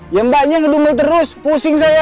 ya mbaknya ngedumel terus pusing saya